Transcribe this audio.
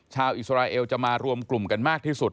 อิสราเอลจะมารวมกลุ่มกันมากที่สุด